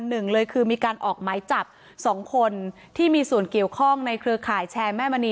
หนึ่งเลยคือมีการออกหมายจับสองคนที่มีส่วนเกี่ยวข้องในเครือข่ายแชร์แม่มณี